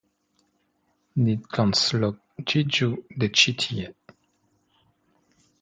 Ni transloĝiĝu de ĉi tie.